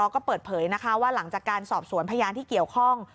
ก็เปิดเผยนะคะว่าหลังจากการสอบสวนพยานที่เกี่ยวข้อง